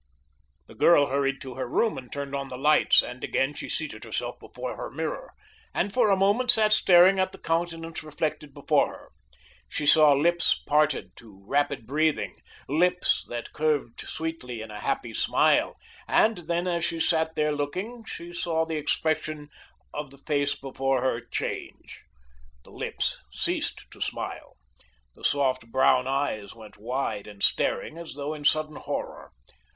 The girl hurried to her room and turned on the lights, and again she seated herself before her mirror, and for a moment sat staring at the countenance reflected before her. She saw lips parted to rapid breathing, lips that curved sweetly in a happy smile, and then as she sat there looking she saw the expression of the face before her change. The lips ceased to smile, the soft, brown eyes went wide and staring as though in sudden horror.